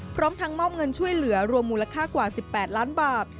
พร้อมทั้งมอบเงินช่วยเหลือรวมมูลค่ากว่า๑๘ล้านบาท